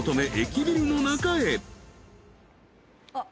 あっ。